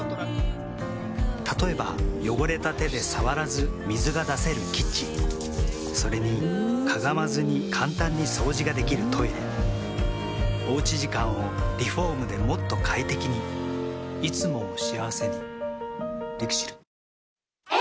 例えば汚れた手で触らず水が出せるキッチンそれにかがまずに簡単に掃除ができるトイレおうち時間をリフォームでもっと快適にいつもを幸せにＬＩＸＩＬ。